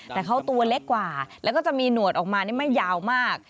แต่เขาตัวเล็กกว่าแล้วก็จะมีหนวดออกมานี่ไม่ยาวมาก